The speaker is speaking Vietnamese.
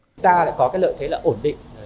chúng ta lại có cái lợi thế là ổn định